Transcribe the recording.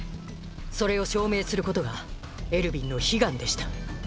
それを証明することがエルヴィンの悲願でした。